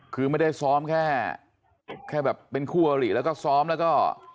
คือไม่ได้ซ้อมแค่แค่แบบเป็นคู่อริแล้วก็ซ้อมแล้วก็